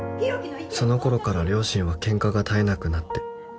「その頃から両親はケンカが絶えなくなって」